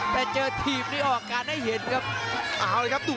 แต่เจอทีมนี่ออกการให้เห็นครับ